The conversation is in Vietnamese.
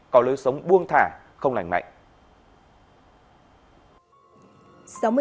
có lối sống buông thả không lành mạnh